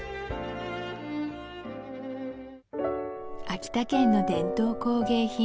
秋田県の伝統工芸品